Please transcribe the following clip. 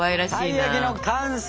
「たい焼きの完成！」。